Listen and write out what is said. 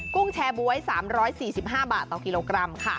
กุ้งแชร์บ๊วย๓๔๕บาทต่อกิโลกรัมค่ะ